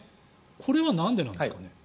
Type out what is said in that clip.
これはなんでなんですかね。